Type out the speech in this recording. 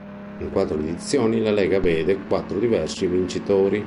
In quattro edizioni edizioni la lega vede quattro diversi vincitori.